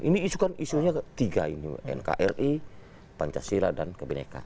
ini isunya ketiga nkri pancasila dan kebenekaan